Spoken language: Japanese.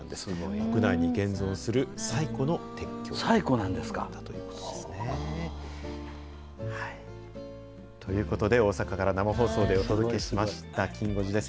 国内に現存する最古の鉄橋です。ということですね。ということで大阪から生放送でお届けしました、きん５時です